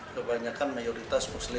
kebanyakan mayoritas muslim